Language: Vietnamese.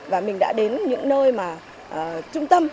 và mình đã đến những nơi mà trung tâm